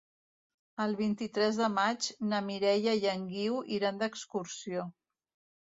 El vint-i-tres de maig na Mireia i en Guiu iran d'excursió.